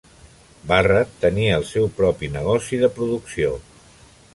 Barrett tenia el seu propi negoci de producció.